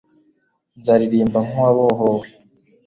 nzaririmba nkuwabohowe